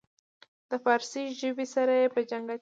د پارسي ژبې سره یې په جنګ اچوي.